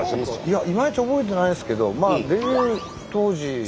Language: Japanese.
いやいまいち覚えてないですけどデビュー当時。